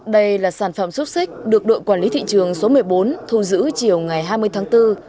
đây là sản phẩm xúc xích được đội quản lý thị trường số một mươi bốn thu giữ chiều ngày hai mươi tháng bốn